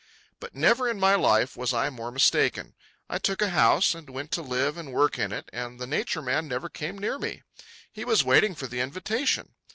But never in my life was I more mistaken. I took a house and went to live and work in it, and the Nature Man never came near me. He was waiting for the invitation.